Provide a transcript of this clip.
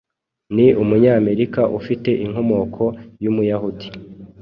Ni umunyamerika ufite inkomoko y’umuyahudi